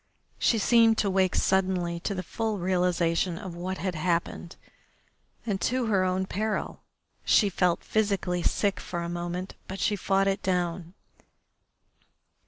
She seemed to wake suddenly to the full realisation of what had happened and to her own peril. She felt physically sick for a moment, but she fought it down.